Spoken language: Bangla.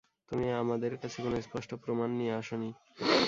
তুমি আমাদের কাছে কোন স্পষ্ট প্রমাণ নিয়ে আসনি।